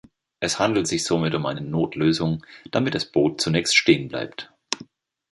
Es handelt sich somit um eine Notlösung, damit das Boot zunächst stehen bleibt.